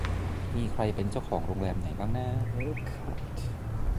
มีใครเป็นเจ้าของโรงแรมไหนบ้างน้า